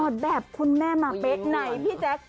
พอแบบคุณแม่มาเป๊ะนั่งอย่างไรพี่แจ๊ก